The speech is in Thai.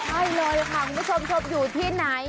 ใช่เลยค่ะคุณผู้ชมชมอยู่ที่ไหน